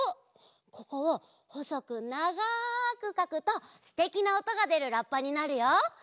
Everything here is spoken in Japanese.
ここをほそくながくかくとすてきなおとがでるラッパになるよ！